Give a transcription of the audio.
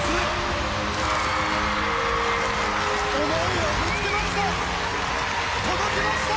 思いをぶつけました！